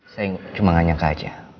saya cuma nggak nyangka aja